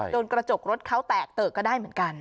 กระจกรถเขาแตกเตอะก็ได้เหมือนกัน